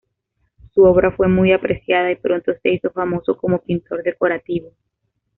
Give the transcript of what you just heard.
Su obra fue muy apreciada y pronto se hizo famoso como pintor decorativo.